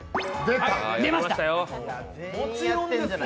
出ました！